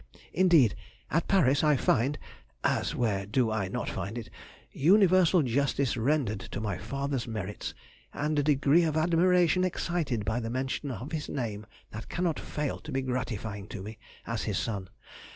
Indeed, at Paris I find (as where do I not find it?) universal justice rendered to my father's merits, and a degree of admiration excited by the mention of his name that cannot fail to be gratifying to me, as his son.